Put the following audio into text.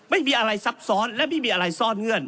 ไม่มีอะไรซับซ้อนและไม่มีอะไรซ่อนเงื่อน